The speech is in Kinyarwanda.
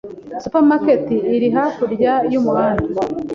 Supermarket iri hakurya yumuhanda.